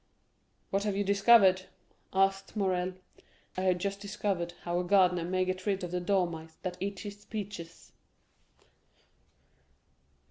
"What have you discovered?" asked Morrel. "I have just discovered how a gardener may get rid of the dormice that eat his peaches."